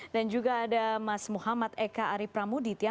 dan juga ada mas muhammad eka ari pramudit ya